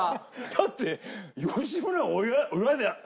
だって吉村が。